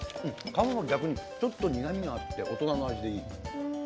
皮、逆にちょっと苦みがあって大人の味。